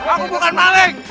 aku bukan maling